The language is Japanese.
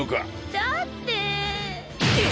だって。